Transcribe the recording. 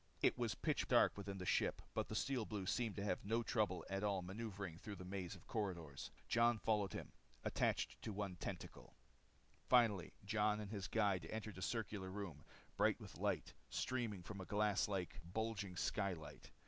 It was pitch dark within the ship but the Steel Blue seemed to have no trouble at all maneuvering through the maze of corridors. Jon followed him, attached to one tentacle. Finally Jon and his guide entered a circular room, bright with light streaming from a glass like, bulging skylight.